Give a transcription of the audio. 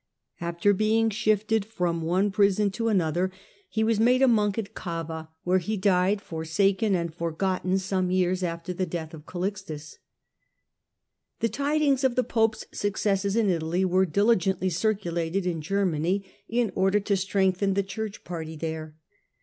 After being shifted from one prison to another, he was Digitized by VjOOQIC 214 HiLDEBRAND made a monk at Cava, where he died, forsaken and forgotten, some years afber the death of Oalixtus. The tidings of the pope's successes in Italy were diligently circulated in Germany in order to strengthen the church party there.